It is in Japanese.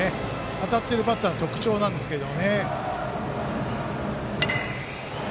当たっているバッターの特徴なんですけど。